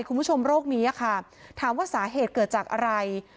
คุณผู้ชมโรคนี้ค่ะถามว่าสาเหตุเกิดจากอะไร